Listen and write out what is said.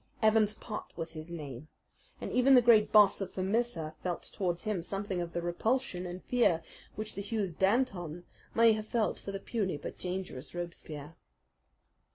Evans Pott was his name, and even the great Boss of Vermissa felt towards him something of the repulsion and fear which the huge Danton may have felt for the puny but dangerous Robespierre.